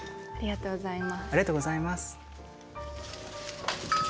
ありがとうございます。